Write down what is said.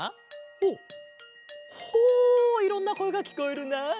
ほうほういろんなこえがきこえるな。